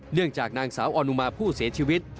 เนื่องจากนางสาวออนุมาผู้เสียชีวิต